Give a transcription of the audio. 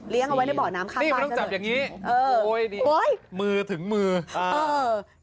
เลี้ยงเอาไว้ในบ่อน้ำข้างบ้านเฉพาะเลยโอ้ยโอ้ยโอ้ยมือถึงมืออ่าเออ